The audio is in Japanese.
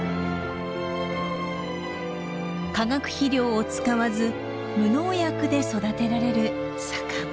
化学肥料を使わず無農薬で育てられる酒米。